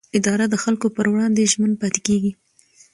اداره د خلکو پر وړاندې ژمن پاتې کېږي.